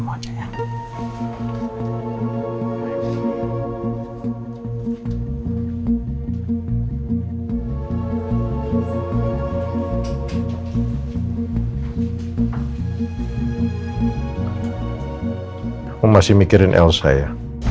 aku masih mikirin elsa ya